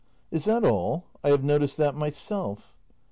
Is that all ? I have noticed that myself.